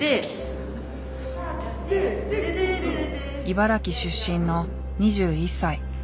茨城出身の２１歳。